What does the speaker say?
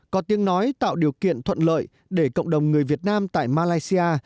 có tiếng nói tạo điều kiện thuận lợi để cộng đồng người việt nam tại malaysia